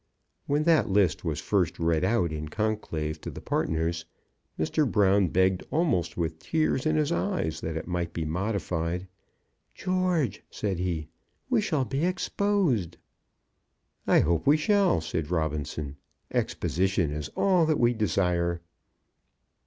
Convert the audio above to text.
When that list was first read out in conclave to the partners, Mr. Brown begged almost with tears in his eyes, that it might be modified. "George," said he, "we shall be exposed." "I hope we shall," said Robinson. "Exposition is all that we desire."